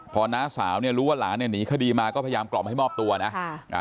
พอน้าสาวเนี่ยรู้ว่าหลานเนี่ยหนีคดีมาก็พยายามกล่อมให้มอบตัวนะค่ะอ่า